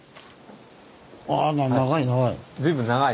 あ長い長い。